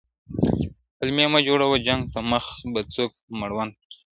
پلمې مه جوړوه جنګ ته مخ به څوک په مړونډ پټ کړي؟-